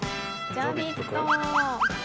ジャビット！